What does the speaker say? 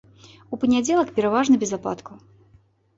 У панядзелак пераважна без ападкаў.